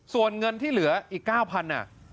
ส่วนเงินที่เหลืออีก๙๐๐บาท